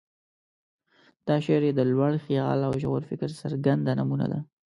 دا شعر یې د لوړ خیال او ژور فکر څرګنده نمونه ده.